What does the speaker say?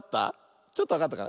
ちょっとわかったかな？